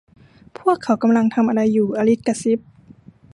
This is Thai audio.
'พวกเขากำลังทำอะไรอยู่' อลิซกระซิบ